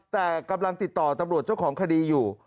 แต่กำลังติดต่อตำรวจเจ้าของคดีอยู่